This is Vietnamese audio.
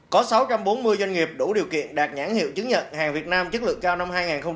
có sáu trăm bốn mươi doanh nghiệp đủ điều kiện đạt nhãn hiệu chứng nhận hàng việt nam chất lượng cao năm hai nghìn hai mươi ba